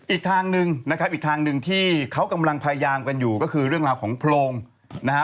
อีกทางหนึ่งนะครับอีกทางหนึ่งที่เขากำลังพยายามกันอยู่ก็คือเรื่องราวของโพรงนะฮะ